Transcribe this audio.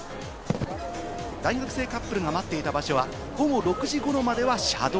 大学生カップルが待っていた場所は午後６時ごろまでは車道。